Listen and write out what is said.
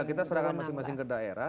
kita serahkan masing masing ke daerah